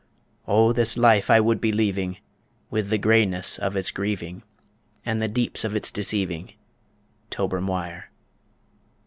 O this life I would be leaving, With the greyness of its grieving, And the deeps of its deceiving, Tober Mhuire.